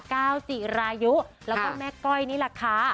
ก้าวจิรายุแล้วก็แม่ก้อยนี่แหละค่ะ